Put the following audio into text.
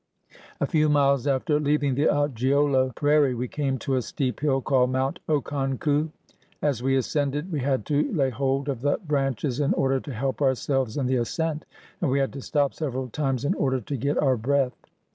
A few miles after leaving the Odjiolo prairie we came to a steep hill called Mount Oconcou. As we ascended we had to lay hold of the branches in order to help our selves in the ascent, and we had to stop several times in order to get our breath.